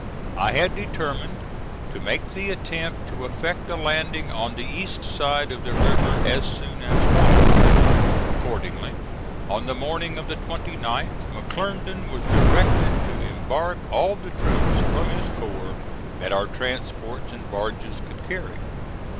I had determined to make the attempt to effect a landing on the east side of the river as soon as possible. Accordingly, on the morning of the 29th, McClernand was directed to embark all the troops from his corps that our transports and barges could carry.